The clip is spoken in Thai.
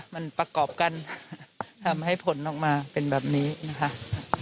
มันประกอบกันทำให้ผลออกมาเป็นแบบนี้นะคะ